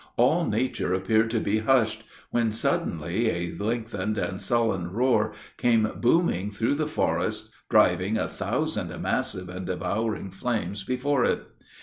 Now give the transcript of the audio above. All nature appeared to be hushed, when suddenly a lengthened and sullen roar came booming through the forests, driving a thousand massive and devouring flames before it.